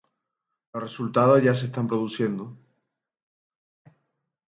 Los resultados ya se están produciendo.